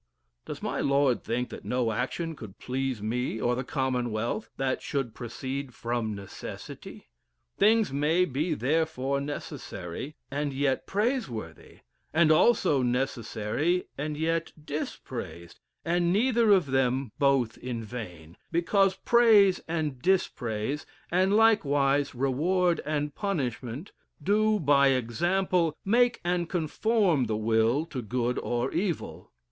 Does my lord think that no action could please me, or the commonwealth, that should proceed from necessity! Things may be therefore necessary, and yet praiseworthy, as also necessary, and yet dispraised, and neither of them both in vain; because praise and dispraise, and likewise reward and punishment, do, by example, make and conform the will to good or evil.